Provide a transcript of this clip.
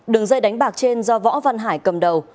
đường dây đánh bạc trên do võ văn hải cầm đầu